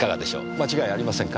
間違いありませんか？